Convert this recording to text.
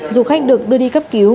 du khách được đưa đi cấp cứu